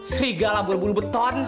serigala bulu bulu beton